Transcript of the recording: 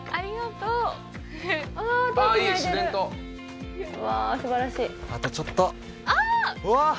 うわ！